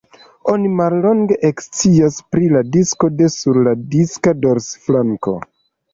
Oni mallonge ekscias pri la disko de sur la diska dorsflanko.